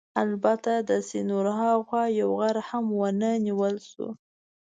البته د سیند ورهاخوا یو غر هم ونه نیول شو.